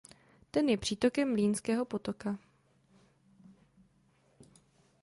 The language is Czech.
Ten je přítokem Mlýnského potoka.